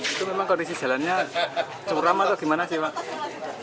itu memang kondisi jalannya curam atau gimana sih pak